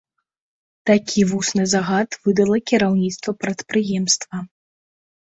Такі вусны загад выдала кіраўніцтва прадпрыемства.